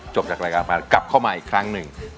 จากรายการมากลับเข้ามาอีกครั้งหนึ่ง